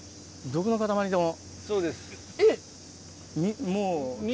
そうです。